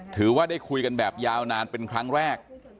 ถือว่าได้คุยกันแบบยาวนานเป็นครั้งแรก